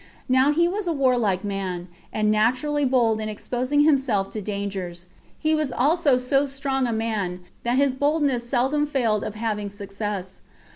Now he was a warlike man, and naturally bold in exposing himself to dangers; he was also so strong a man, that his boldness seldom failed of having success.